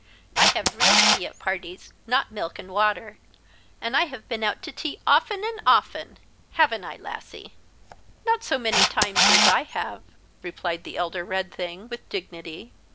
I have real tea at parties, not milk and water. And I have been out to tea often and often — haven't 1, Lassie ?"" Not so many times as I have," replied the elder red thing, with dignity.